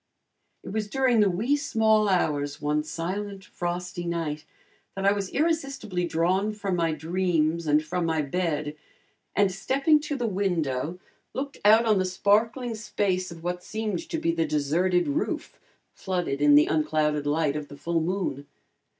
It was during the wee small hours one silent, frosty night, that I was irresistibly drawn from my dreams and from my bed, and stepping to the window looked out on the sparkling space of what seemed to be the deserted roof, flooded in the unclouded light of the full moon.